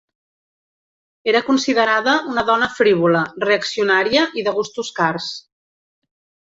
Era considerada una dona frívola, reaccionària i de gustos cars.